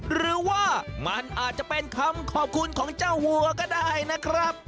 หรือว่ามันอาจจะเป็นคำขอบคุณของเจ้าวัวก็ได้นะครับ